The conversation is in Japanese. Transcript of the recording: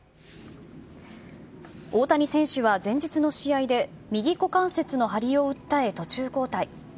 大谷選手は前日の試合で右股関節の張りを訴え途中交代。